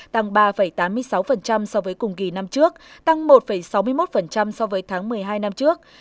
tăng ba tám mươi sáu so với cùng kỳ năm trước tăng một sáu mươi một so với tháng một mươi hai năm trước